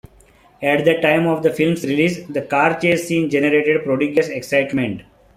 At the time of the film's release, the car chase scene generated prodigious excitement.